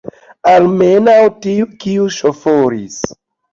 Almenaŭ tiu, kiu ŝoforis!